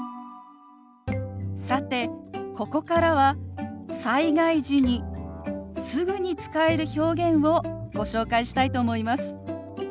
さてここからは災害時にすぐに使える表現をご紹介したいと思います。